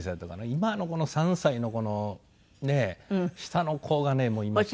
今のこの３歳のこのねえ下の子がね。